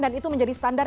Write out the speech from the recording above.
dan itu menjadi standar